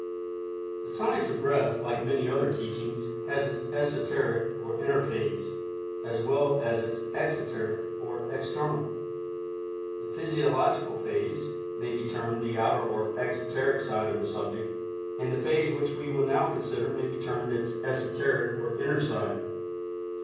The Science of Breath, like many other teachings, has its esoteric or inner phase, as well as its exoteric or external. The physiological phase may be termed the outer or exoteric side of the subject, and the phase which we will now consider may be termed its esoteric or inner side.